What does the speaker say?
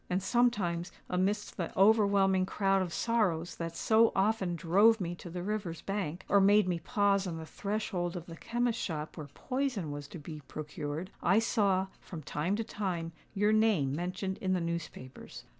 And sometimes, amidst the overwhelming crowd of sorrows that so often drove me to the river's bank, or made me pause on the threshold of the chemist's shop where poison was to be procured,—I saw, from time to time, your name mentioned in the newspapers.